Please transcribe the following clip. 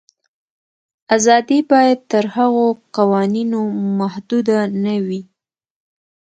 آزادي باید تر هغو قوانینو محدوده نه وي.